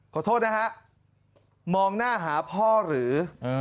ขอโทษนะฮะมองหน้าหาพ่อหรือ